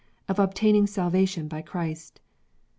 Of obtaining Salvation by Christ.